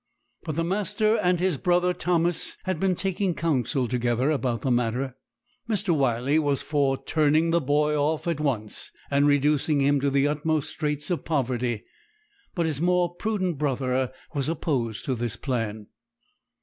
But the master and his brother Thomas had been taking counsel together about the matter. Mr. Wyley was for turning the boy off at once, and reducing him to the utmost straits of poverty; but his more prudent brother was opposed to this plan.